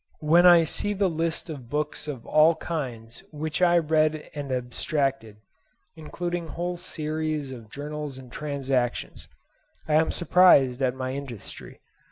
When I see the list of books of all kinds which I read and abstracted, including whole series of Journals and Transactions, I am surprised at my industry.